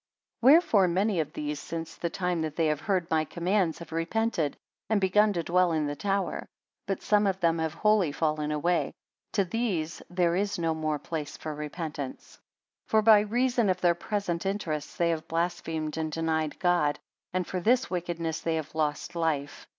66 Wherefore many of these since the time that they have heard my commands, have repented, and begun to dwell in the tower. But some of them have wholly fallen away; to these there is no more place for repentance. 67 For by reason of their present interests, they have blasphemed and denied God: and for this wickedness they have lost life.